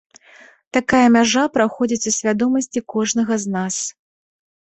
Такая мяжа праходзіць у свядомасці кожнага з нас.